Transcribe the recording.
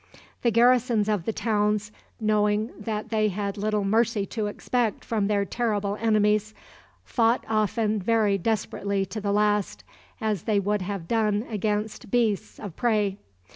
The garrisons of the towns, knowing that they had little mercy to expect from their terrible enemies, fought often very desperately to the last, as they would have done against beasts of prey.